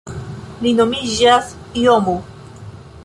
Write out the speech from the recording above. Li nomiĝas JoMo.